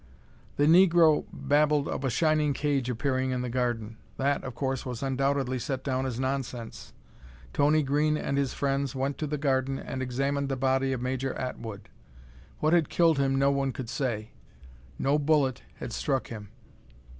The negro babbled of a shining cage appearing in the garden. That, of course, was undoubtedly set down as nonsense. Tony Green and his friends went to the garden and examined the body of Major Atwood. What had killed him no one could say. No bullet had struck him.